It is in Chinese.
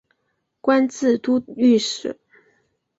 官至都御史。